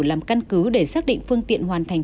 làm căn cứ để xác định phương tiện hoàn thành